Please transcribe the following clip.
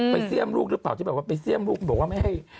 เสี่ยมลูกหรือเปล่าที่แบบว่าไปเสี่ยมลูกบอกว่าไม่ให้